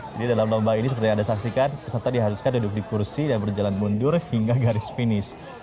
jadi dalam lomba ini seperti yang anda saksikan peserta diharuskan duduk di kursi dan berjalan mundur hingga garis finish